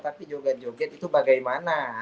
tapi joget joget itu bagaimana